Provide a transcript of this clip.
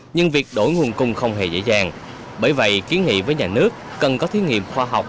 nhưng việc đổi nguồn cung không hề dễ dàng bởi vậy kiến nghị với nhà nước cần có thí nghiệm khoa học